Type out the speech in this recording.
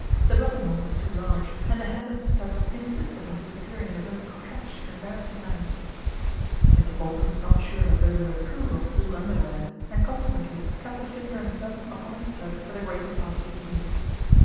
The button hole was )o large, and the head of the stud insisted on dis ppearing in a most coquettish and embarrassing 194 PATRICIA BRENT, SPINSTER manner. Mr. Bolton was not sure that Bowen would approve of blue underwear, and conse quently kept a finger and thumb upon his stud for the greater part of the evening.